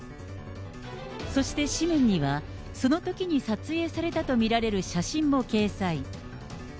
そして紙面にはそのときに撮影されたと見られる写真も掲載。